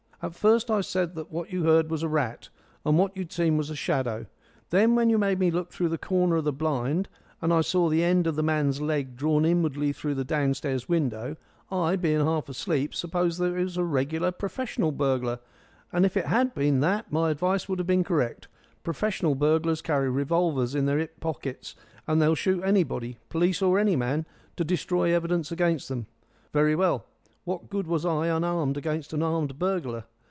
"At first I said that what you'd heard was a rat, and what you'd seen was a shadow. Then when you made me look through the corner of the blind, and I saw the end of the man's leg drawn inwardly through the downstairs window, I, being half asleep, supposed that it was a regular professional burglar. And if it had been that, my advice would have been correct. Professional burglars carry revolvers in their 'ip pockets, and they'll shoot anybody policeman or any man to destroy evidence against them. Very well. What good was I unarmed against an armed burglar?